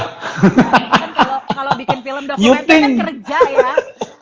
kadang kalau bikin film dokumenter kan kerja ya